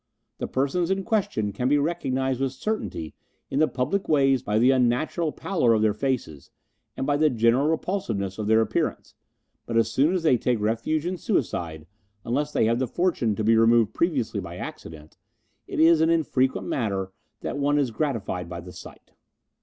The persons in question can be recognized with certainty in the public ways by the unnatural pallor of their faces and by the general repulsiveness of their appearance, but as they soon take refuge in suicide, unless they have the fortune to be removed previously by accident, it is an infrequent matter that one is gratified by the sight.